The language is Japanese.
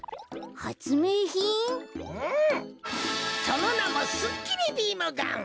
そのなもすっきりビームガン。